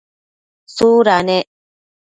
tsuda ne?